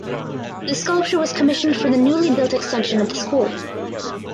The sculpture was commissioned for the newly built extension at the school.